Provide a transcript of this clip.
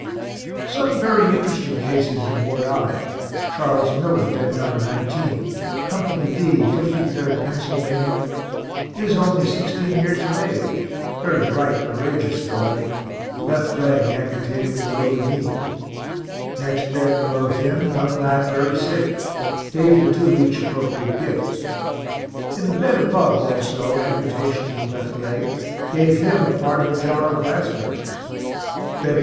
Some very interesting cases in Ward I: Charles Miller, Bed No. 19, Company D, Fifty third Pennsylvania, is only sixteen years of age, very bright, courageous boy, left leg amputated below the knee; next bed below him, young lad very sick gave the two each appropriate gifts; in the bed above also amputation of the left leg gave him a part of a jar of raspberries; Bed No.